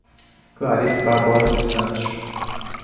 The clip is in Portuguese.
Clarice Barbosa dos Santos